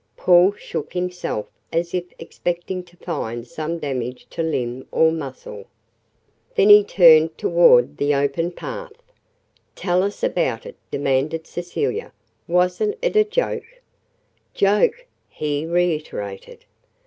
Paul shook himself as if expecting to find some damage to limb or muscle. Then he turned toward the open path. "Tell us about it," demanded Cecilia. "Wasn't it a joke?" "Joke!" he reiterated.